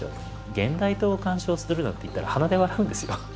「現代刀を鑑賞する」なんて言ったら鼻で笑うんですよ。